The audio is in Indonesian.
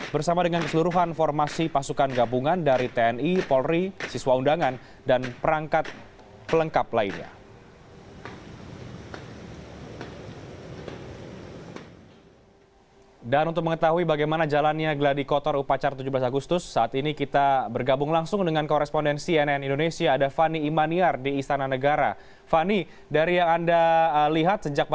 bersama dengan keseluruhan formasi pasukan gabungan dari tni polri siswa undangan dan perangkat pelengkap lainnya